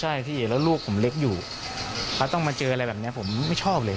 ใช่พี่แล้วลูกผมเล็กอยู่เขาต้องมาเจออะไรแบบนี้ผมไม่ชอบเลย